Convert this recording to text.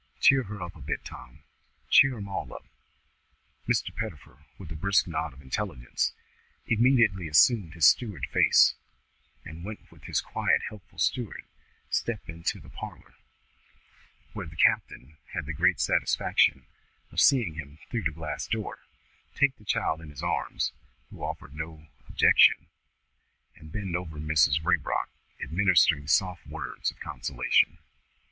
Cheer her up a bit, Tom. Cheer 'em all up." Mr. Pettifer, with a brisk nod of intelligence, immediately assumed his steward face, and went with his quiet, helpful, steward step into the parlour, where the captain had the great satisfaction of seeing him, through the glass door, take the child in his arms (who offered no objection), and bend over Mrs. Raybrock, administering soft words of consolation.